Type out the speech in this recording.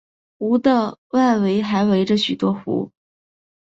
湖的外围还围着许多湖。